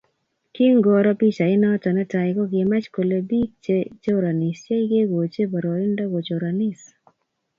Kingoro pichainato netai kokimach kole bik che choranisie kekoch poroindo kochoranis